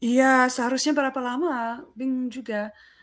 ya seharusnya berapa lama bingung juga